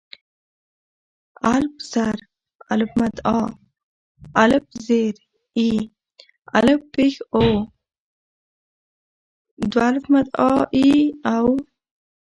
الپ زر آ، الپ زر اي، الپ پېښ أو آآ اي او.